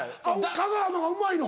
香川のがうまいの？